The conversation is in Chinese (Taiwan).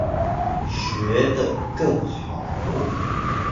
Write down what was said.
學得更好